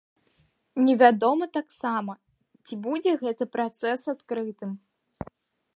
Невядома таксама, ці будзе гэты працэс адкрытым.